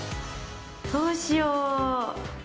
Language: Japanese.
どうしよう。